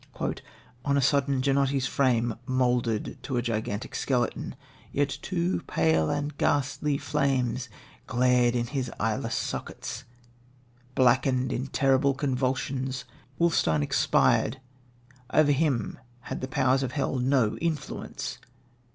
"On a sudden Ginotti's frame, mouldered to a gigantic skeleton, yet two pale and ghastly flames glared in his eyeless sockets. Blackened in terrible convulsions, Wolfstein expired; over him had the power of hell no influence.